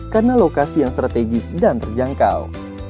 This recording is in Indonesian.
karena lokasi yang strategis dan terjangkau